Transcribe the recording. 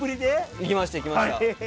行きました行きました。